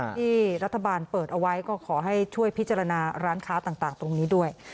ที่รัฐบาลเปิดเอาไว้ก็ขอให้ช่วยพิจารณาร้านค้าต่างตรงนี้ด้วย